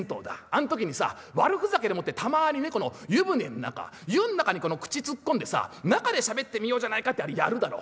あん時にさ悪ふざけでもってたまにね湯船ん中湯ん中に口突っ込んでさ中でしゃべってみようじゃないかってあれやるだろ？